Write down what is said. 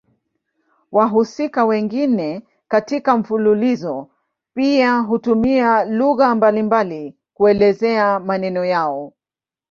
Wahusika wengine katika mfululizo pia hutumia lugha mbalimbali kuelezea maneno yao.